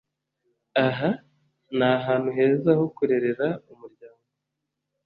Aha ni ahantu heza ho kurerera umuryango.